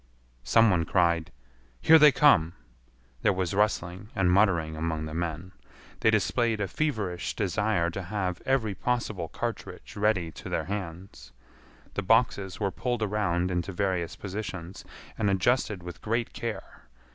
Some one cried, "Here they come!" There was rustling and muttering among the men. They displayed a feverish desire to have every possible cartridge ready to their hands. The boxes were pulled around into various positions, and adjusted with great care.